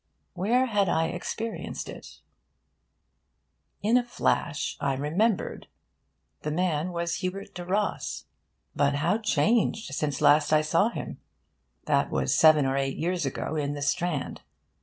Where had I experienced it? In a flash I remembered. The man was Hubert le Ros. But how changed since last I saw him! That was seven or eight years ago, in the Strand.